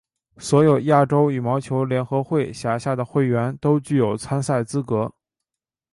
所有亚洲羽毛球联合会辖下的会员都具有参赛资格。